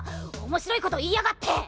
面白いこと言いやがって。